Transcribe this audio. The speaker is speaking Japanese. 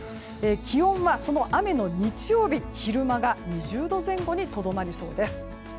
気温は、その雨の日曜日の昼間が２０度前後にとどまりそうです。